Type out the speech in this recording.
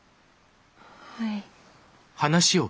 はい。